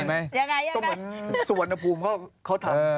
ยังไงก็เหมือนสวรรพูมเขาทำ